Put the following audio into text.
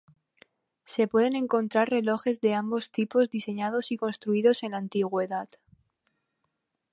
Se pueden encontrar relojes de ambos tipos diseñados y construidos en la antigüedad.